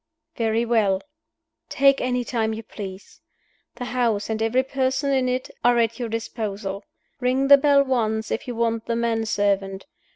"Very well. Take any time you please. The house, and every person in it, are at your disposal. Ring the bell once if you want the man servant.